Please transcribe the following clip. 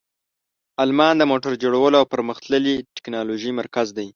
آلمان د موټر جوړولو او پرمختللې تکنالوژۍ مرکز دی.